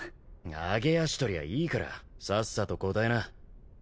揚げ足取りはいいからさっさと答えな。